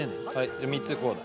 じゃ３つこうだ。